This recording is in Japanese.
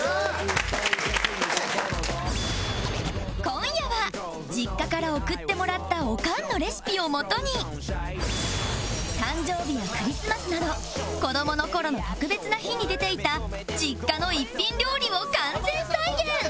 今夜は実家から送ってもらったオカンのレシピをもとに誕生日やクリスマスなど子どもの頃の特別な日に出ていた実家の一品料理を完全再現